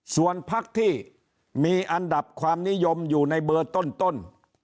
ส่วนพักที่มีอันดับความนิยมอยู่ในเบอร์ต้น